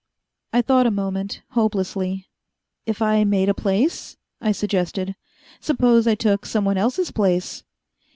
I thought a moment, hopelessly. "If I made a place?" I suggested. "Suppose I took someone else's place?"